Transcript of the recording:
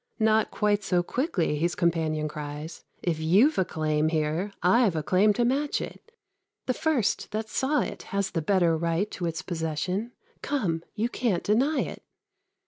"Not quite so quickly," his companion cries; "If you've a claim here, I've a claim to match it; The first that saw it has the better right To its possession; come, you can't deny it."